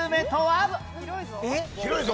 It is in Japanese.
広いぞ。